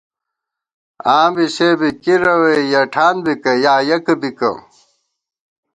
آں بی سے بی کِرَوے یَہ ٹھان بِکہ یا یَک بِکہ